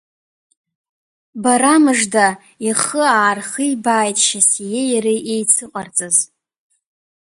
Бара мыжда, ихы аархибааит Шьасиеи иареи еицыҟарҵаз…